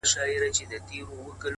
ځوانان هڅه کوي هېر کړي ډېر,